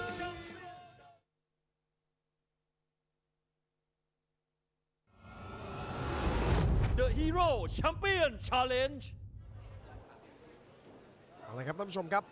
เอาละครับท่านผู้ชมครับ